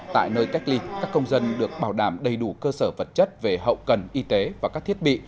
tại nơi cách ly các công dân được bảo đảm đầy đủ cơ sở vật chất về hậu cần y tế và các thiết bị